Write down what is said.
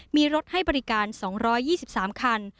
มีรถให้บริการ๒๒๓คัน